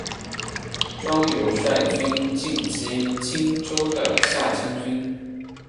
庄尤率军进击荆州的下江军。